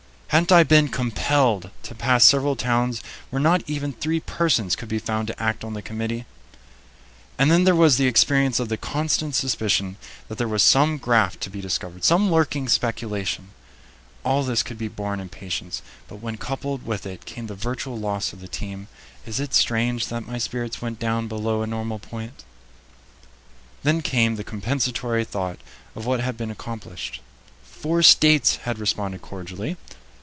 Hadn't I been compelled to pass several towns where not even three persons could be found to act on the committee? And then there was the experience of the constant suspicion that there was some graft to be discovered, some lurking speculation. All this could be borne in patience; but when coupled with it came the virtual loss of the team, is it strange that my spirits went down below a normal point? [Illustration: Brown Bros. The railroad bridge at Omaha, crossing the Missouri where in 1853 we went over by ferry.] Then came the compensatory thought of what had been accomplished. Four states had responded cordially.